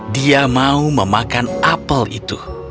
dia mau memakan apel itu